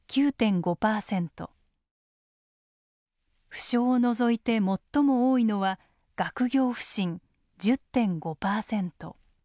不詳を除いて最も多いのは学業不振１０．５％。